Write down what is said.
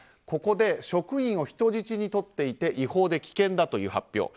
ここで職員を人質に取っていて違法で危険だという発表。